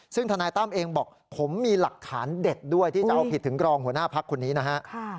ซึ่งธนายตั้มเองบอกผมมีหลักฐานเด็ดด้วยที่จะเอาผิดถึงกรองหัวหน้าพักคนนี้นะฮะ